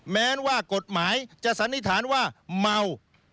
แม้ว่ากฎหมายจะสันนิษฐานว่าเมา